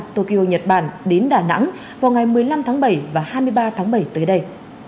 tokyo nhật bản đến đà nẵng vào ngày một mươi năm tháng bảy và hai mươi ba tháng bảy tới đây